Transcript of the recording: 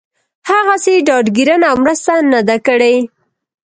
هغسې ډاډ ګيرنه او مرسته نه ده کړې